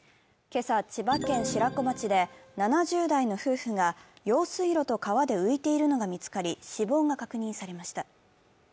今朝、千葉県白子町で７０代の夫婦が用水路と川で浮いているのが見つかり、死亡が確認されました。